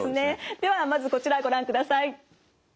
ではまずこちらご覧ください。